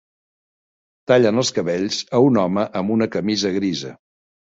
Tallen els cabells a un home amb una camisa grisa.